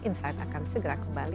insight akan segera kembali